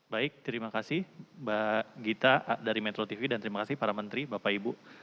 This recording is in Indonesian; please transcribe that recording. baik terima kasih mbak gita dari metro tv dan terima kasih para menteri bapak ibu